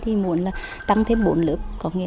hiện đang thiếu một trăm năm mươi bảy biên chế